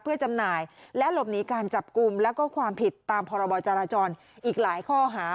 เพื่อจำหน่ายและหลบหนีการจับกลุ่มแล้วก็ความผิดตามพรบจราจรอีกหลายข้อหา